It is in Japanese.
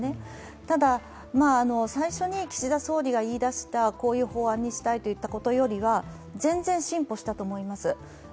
ただ、最初に岸田総理が言いだしたこういう法案にしたいというものよりは全然進歩したと思います。